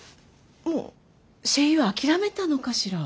もう声優諦めたのかしら？